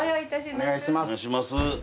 お願いします。